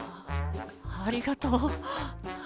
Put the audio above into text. ありがとう。